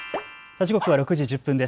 時刻は６時１０分です。